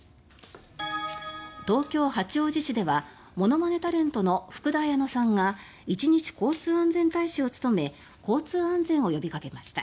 東京・八王子市ではものまねタレントの福田彩乃さんが一日交通安全大使を務め交通安全を呼びかけました。